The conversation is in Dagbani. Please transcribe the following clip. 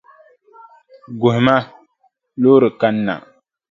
Guhima, loori kanna.